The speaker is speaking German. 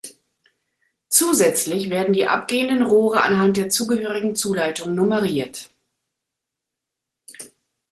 Zusätzlich werden die abgehenden Rohre anhand der zugehörigen Zuleitung nummeriert.